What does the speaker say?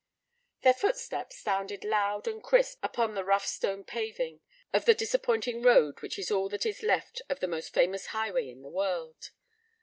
Their footsteps sounded loud and crisp upon the rough stone paving of the disappointing road which is all that is left of the most famous highway of the world.